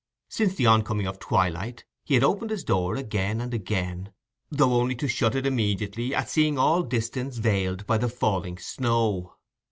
Since the on coming of twilight he had opened his door again and again, though only to shut it immediately at seeing all distance veiled by the falling snow.